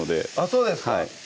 そうです